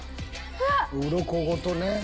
うろこごとね。